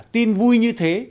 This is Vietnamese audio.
tin vui như thế